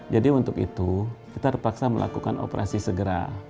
jadi untuk itu kita terpaksa melakukan operasi segera